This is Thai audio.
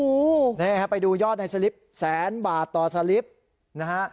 นี่ไงครับไปดูยอดในสลิปแสนบาทต่อสลิปนะฮะ